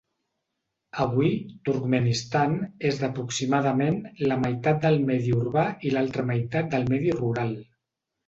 Avui, Turkmenistan és d'aproximadament la meitat del medi urbà i l'altra meitat del medi rural.